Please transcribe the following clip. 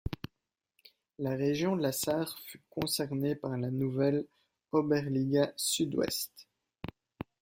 La région de la Sarre fut concernée par la nouvelle Oberliga Südwest.